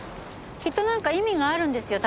きっとなんか意味があるんですよ